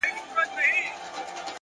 هره لاسته راوړنه د صبر نښه لري,